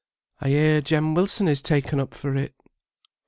"I hear Jem Wilson is taken up for it."